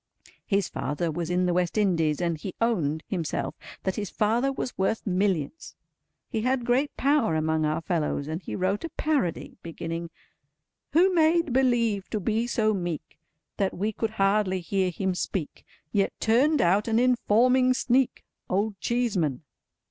His father was in the West Indies, and he owned, himself, that his father was worth Millions. He had great power among our fellows, and he wrote a parody, beginning— "Who made believe to be so meek That we could hardly hear him speak, Yet turned out an Informing Sneak? Old Cheeseman."